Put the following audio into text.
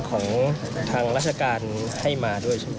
ของภาราชการให้มาด้วย